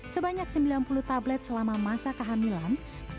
sebanyak sembilan puluh tablet selama masa kehamilan